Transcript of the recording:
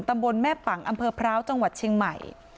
ตำบลแม่ปังอำเภอพร้าวจังหวัดเชียงใหม่